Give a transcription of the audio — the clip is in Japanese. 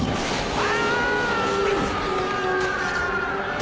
あ！